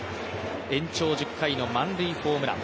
延長１０回の満塁ホームラン。